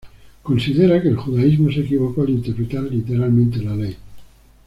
Considera que el judaísmo se equivocó al interpretar literalmente la Ley.